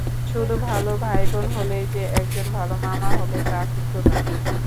শুধু ভালো ভাইবোন হলেই যে একজন ভালো মামা হবে তা কিন্তু নয়।